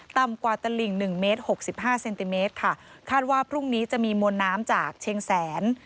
ต่ำกว่าตลิ่งหนึ่งเมตรหกสิบห้าเซนติเมตรค่ะคาดว่าพรุ่งนี้จะมีมวลน้ำจากเชียงแสน